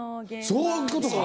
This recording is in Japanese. そういうことか。